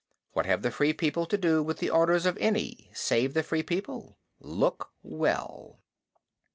What have the Free People to do with the orders of any save the Free People? Look well!"